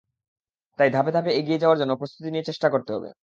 তাই ধাপে ধাপে এগিয়ে যাওয়ার জন্য প্রস্তুতি নিয়ে চেষ্টা করতে হবে।